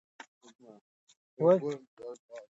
ماشومان د لوبو له لارې د خپل بدن قوت تجربه کوي.